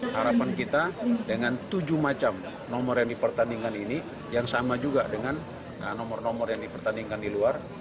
harapan kita dengan tujuh macam nomor yang dipertandingkan ini yang sama juga dengan nomor nomor yang dipertandingkan di luar